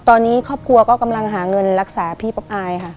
ตอนนี้ครอบครัวก็กำลังหาเงินรักษาพี่ป๊อปอายค่ะ